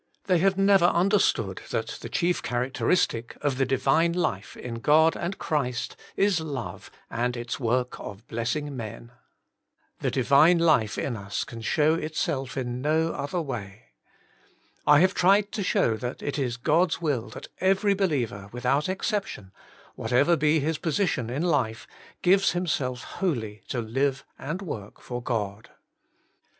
They have never understood that the chief characteristic of the Divine life in God and Christ is love and its work of blessing men. The Divine life in us can show itself in no other way. I have tried to show that it is God's will that every believer with out exception, whatever be his position in life, gives himself wholly to live and work for God.